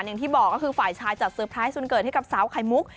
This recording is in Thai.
อย่างที่บอกก็คือฝ่ายชายจัดเตอร์ไพรสนเกิดให้กับสาวไข่มุก